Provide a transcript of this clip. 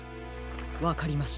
わかりました。